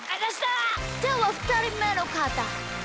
ではふたりめのかたどうぞ。